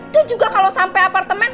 dan juga kalau sampai apartemen